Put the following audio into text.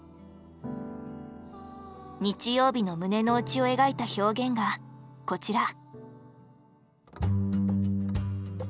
日曜日の胸の内を描いた表現がこちら。